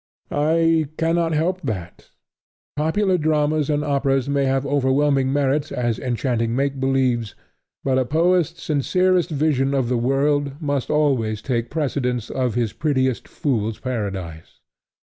I cannot help that. Popular dramas and operas may have overwhelming merits as enchanting make believes; but a poet's sincerest vision of the world must always take precedence of his prettiest fool's paradise.